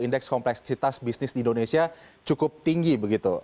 indeks kompleksitas bisnis di indonesia cukup tinggi begitu